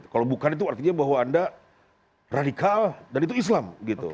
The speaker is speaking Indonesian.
kalau bukan itu artinya bahwa anda radikal dan itu islam gitu